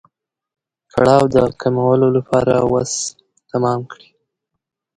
کړاو د کمولو لپاره وس تمام کړي.